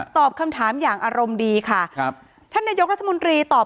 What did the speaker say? ตอบคำถามอย่างอารมณ์ดีค่ะครับท่านนายกรัฐมนตรีตอบ